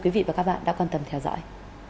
quý vị và các bạn đã quan tâm theo dõi